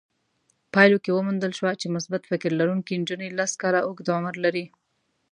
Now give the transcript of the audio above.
پايلو کې وموندل شوه چې مثبت فکر لرونکې نجونې لس کاله اوږد عمر لري.